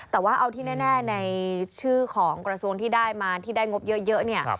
แต่ว่าเอาที่แน่ในชื่อของกระทรวงที่ได้มาที่ได้งบเยอะเนี่ย